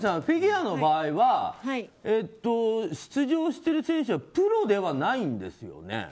フィギュアの場合は出場してる選手はプロではないんですよね？